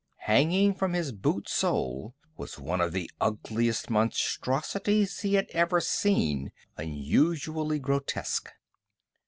Hanging from his boot sole was one of the ugliest monstrosities he had ever seen, unusually grotesque.